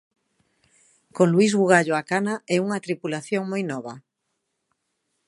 Con Luís Bugallo á cana e unha tripulación moi nova.